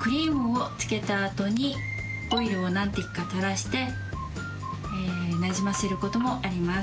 クリームをつけたあとにオイルを何滴か垂らしてえ馴染ませることもあります。